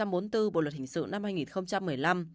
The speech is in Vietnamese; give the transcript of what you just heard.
điều luật hình sự năm hai nghìn một mươi năm